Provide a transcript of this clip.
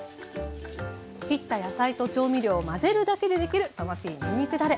切った野菜と調味料を混ぜるだけでできるトマピーにんにくだれ。